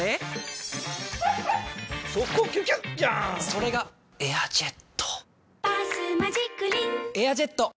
それが「エアジェット」「バスマジックリン」「エアジェット」！